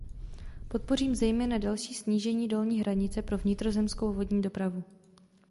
Podpořím zejména další snížení dolní hranice pro vnitrozemskou vodní dopravu.